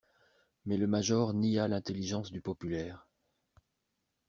Mais le major nia l'intelligence du populaire.